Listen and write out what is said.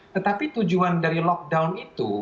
tetapi tujuan dari lockdown itu